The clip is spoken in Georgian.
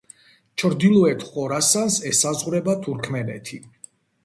ჩრდილოეთ ხორასანს ესაზღვრება თურქმენეთი.